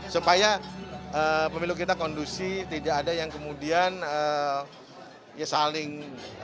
supaya pemilu kita kondusi tidak ada yang kemudian ya saling